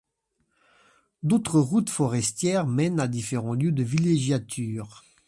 D'autres routes forestières mènent à différents lieux de villégiature.